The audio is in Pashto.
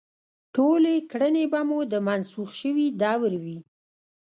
ټولې کړنې به مو د منسوخ شوي دور وي.